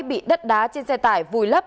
bị đất đá trên xe tải vùi lấp